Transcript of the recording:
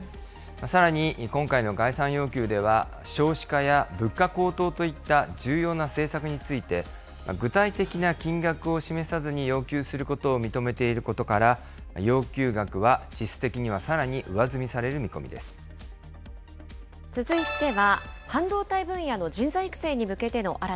さらに、今回の概算要求では少子化や物価高騰といった重要な政策について、具体的な金額を示さずに要求することを認めていることから、要求額は実質的にはさらに続いては、半導体分野の人材